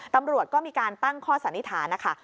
ตำรวจก็มีการตั้งข้อสันนิษฐานนะคะ